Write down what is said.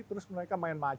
terus mereka main main